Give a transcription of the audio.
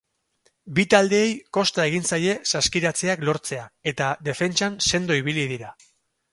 Bi taldeei kosta egin zaie saskiratzeak lortzea, eta defentsan sendo ibili dira.